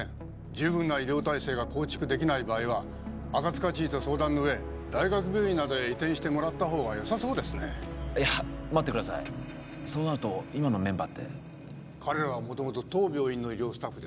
十分な医療体制が構築できない場合は赤塚知事と相談の上大学病院などへ移転してもらった方がよさそうですねいや待ってくださいそうなると今のメンバーって彼らは元々当病院の医療スタッフです